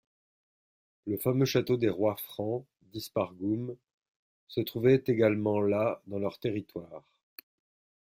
Le fameux château des Rois Francs, Dispargum, se trouvait également là dans leur territoire.